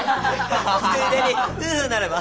ついでに夫婦になれば？